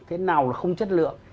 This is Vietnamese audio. thế nào là không chất lượng